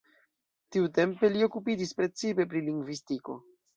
Tiutempe li okupiĝis precipe pri lingvistiko.